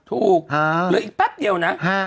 เหลืออีกแป๊บเดียวนะ